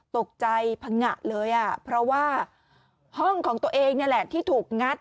ตกใจพังงะเลยอ่ะเพราะว่าห้องของตัวเองนี่แหละที่ถูกงัด